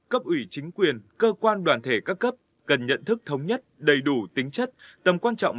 cấp ủy chính quyền cơ quan đoàn thể các cấp cần nhận thức thống nhất đầy đủ tính chất tầm quan trọng